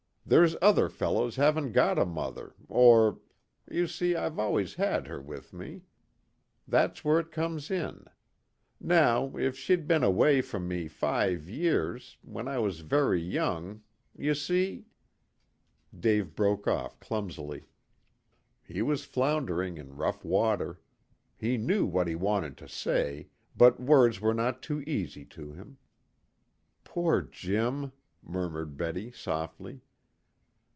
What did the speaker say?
There's other fellows haven't got a mother, or you see, I've always had her with me. That's where it comes in. Now, if she'd been away from me five years, when I was very young; you see " Dave broke off clumsily. He was floundering in rough water. He knew what he wanted to say, but words were not too easy to him. "Poor Jim!" murmured Betty softly.